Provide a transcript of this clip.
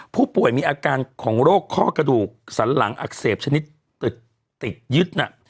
ผู้ป่วยมีอาการของโรคข้อกระดูกสันหลังอักเสบชนิดตึกติดยึดน่ะ